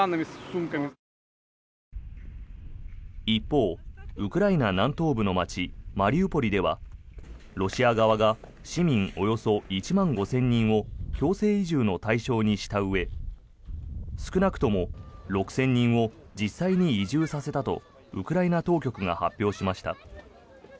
一方、ウクライナ南東部の街マリウポリではロシア側が市民およそ１万５０００人を強制移住の対象にしたうえ少なくとも６０００人を実際に移住させたとウクライナ当局が発表しました。